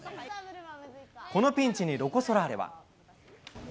このピンチにロコ・ソラーレは。